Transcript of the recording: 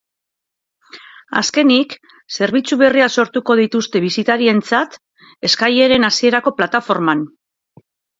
Azkenik, zerbitzu berriak sortuko dituzte bisitarientzat, eskaileren hasierako plataforman.